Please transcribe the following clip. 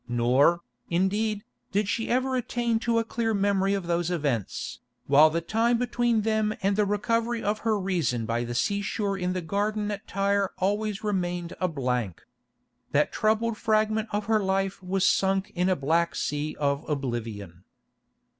Nor, indeed, did she ever attain to a clear memory of those events, while the time between them and the recovery of her reason by the seashore in the garden at Tyre always remained a blank. That troubled fragment of her life was sunk in a black sea of oblivion.